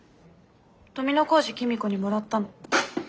富小路公子にもらったの。